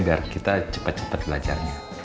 biar kita cepet cepet belajarnya